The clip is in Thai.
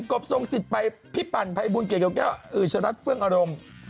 กบทรงสิตไปพิปรันภัยบุญเกลียวอื้อชรัจเซิงอารมณ์